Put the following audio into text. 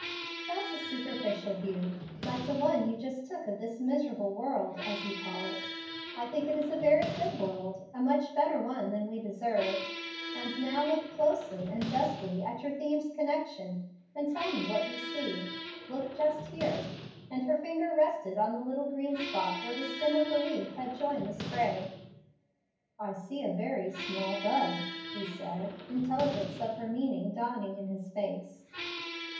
"That's a superficial view, like the one you just took of this 'miserable world,' as you call it. I think it is a very good world a much better one than we deserve. And now look closely and justly at your theme's connection, and tell me what you see. Look just here;" and her finger rested on the little green spot where the stem of the leaf had joined the spray. "I see a very small bud," he said, intelligence of her meaning dawning in his face.